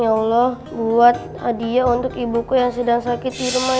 ya allah buat hadiah untuk ibuku yang sedang sakit di rumah